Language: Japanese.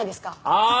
ああ！